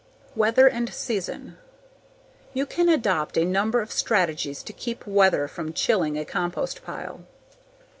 _Weather and season. _You can adopt a number of strategies to keep weather from chilling a compost pile.